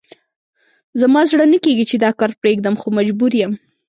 زما زړه نه کېږي چې دا کار پرېږدم، خو مجبور یم.